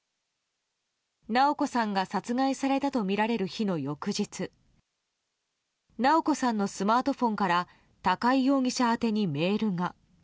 直子さんが殺害されたとみられる日の翌日直子さんのスマートフォンから高井容疑者宛てにメールが。